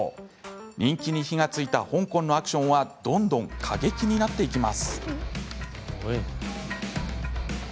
人気に火がついた香港のアクションはどんどん過激になっていきます。